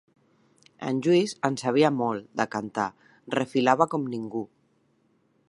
En Lluís en sabia molt, de cantar: refilava com ningú.